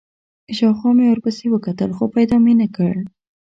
شاوخوا مې ورپسې وکتل، خو پیدا مې نه کړ.